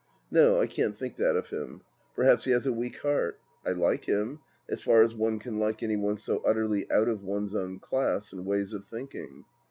No, I can't think that of him. Perhaps he has a weak heart ? I like him, as far as one can like any one so utterly out of one's own class and ways of thinking.